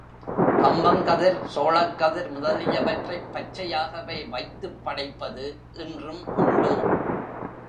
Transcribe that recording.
கம்பங்கதிர், சோளக்கதிர் முதலியவற்றைப் பச்சையாகவே வைத்துப் படைப்பது இன்றும் உண்டு.